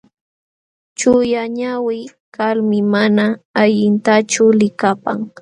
Chullañawi kalmi mana allintachu likapan.